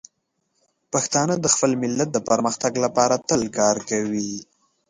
پښتانه د خپل ملت د پرمختګ لپاره تل کار کوي.